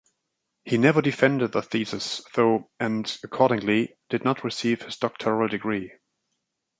He never defended the thesis, though, and accordingly, did not receive his doctoral degree.